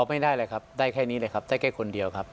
ไม่ได้เลยครับได้แค่นี้เลยครับได้แค่คนเดียวครับ